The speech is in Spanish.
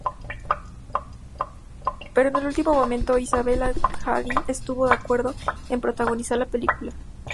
Pero en el último momento, Isabelle Adjani estuvo de acuerdo en protagonizar la película.